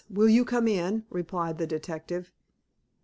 Will you come in?" replied the detective.